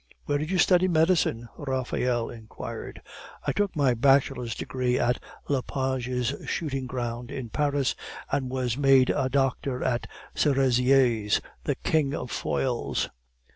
"Where did you study medicine?" Raphael inquired. "I took my bachelor's degree on Lepage's shooting ground in Paris, and was made a doctor at Cerizier's, the king of foils."